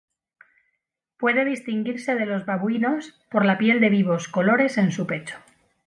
Puede distinguirse de los babuinos por la piel de vivos colores en su pecho.